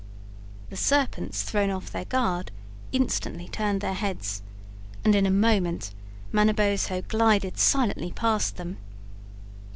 The serpents thrown off their guard, instantly turned their heads, and in a moment Manabozho glided silently past them.